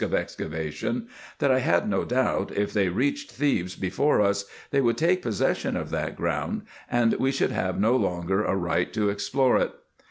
145 of excavation, that I had no doubt, if they reached Thebes before us, they would take possession of that ground, and we should have no longer a right to explore it.